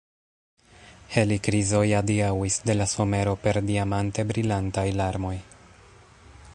Helikrizoj adiaŭis de la somero per diamante brilantaj larmoj.